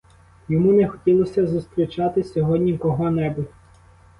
Йому не хотілося зустрічати сьогодні кого-небудь.